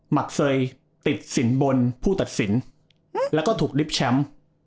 หักเซยติดสินบนผู้ตัดสินแล้วก็ถูกลิฟต์แชมป์